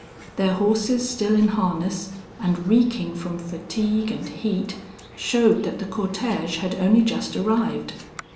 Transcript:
Their horses still in harness, and reeking from fatigue and heat, showed that the cortege had only just arrived.